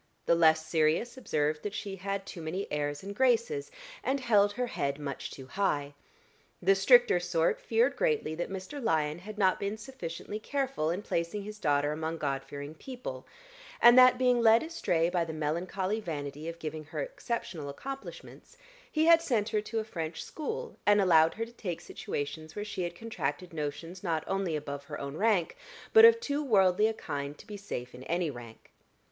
The less serious observed that she had too many airs and graces and held her head much too high; the stricter sort feared greatly that Mr. Lyon had not been sufficiently careful in placing his daughter among God fearing people, and that, being led astray by the melancholy vanity of giving her exceptional accomplishments, he had sent her to a French school, and allowed her to take situations where she had contracted notions not only above her own rank, but of too worldly a kind to be safe in any rank.